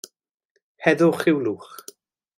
Heddwch i'w lwch.